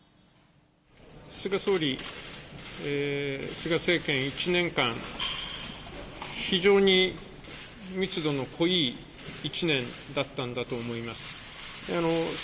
菅総理、菅政権１年間、非常に密度の濃い１年だったんだと思います。